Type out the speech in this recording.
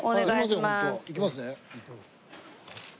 いきますね。